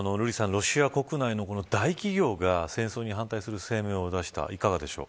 ロシア国内の大企業が戦争に反対する声明を出した。